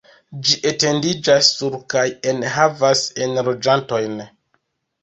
Ĝi etendiĝas sur kaj enhavas enloĝantojn.